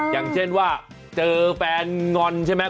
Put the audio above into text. อย่างเช่นว่าเจอแฟนงอนใช่ไหม